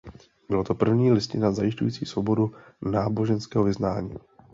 Byla to první listina zajišťující svobodu náboženského vyznání.